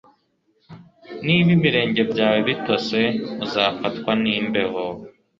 Niba ibirenge byawe bitose uzafatwa nimbeho